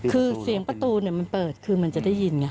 คือเสียงประตูมันเปิดคือมันจะได้ยินไง